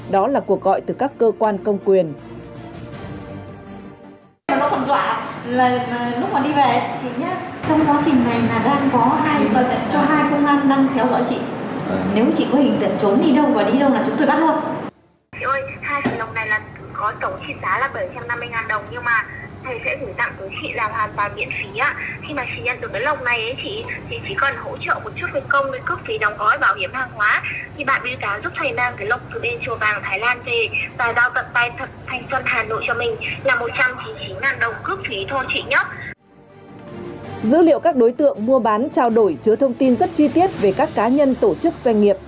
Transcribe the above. dữ liệu các đối tượng mua bán trao đổi chứa thông tin rất chi tiết về các cá nhân tổ chức doanh nghiệp